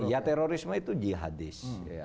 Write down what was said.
ya terorisme itu jihadis